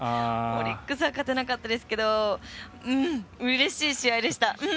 オリックスは勝てなかったですがうれしい試合でした。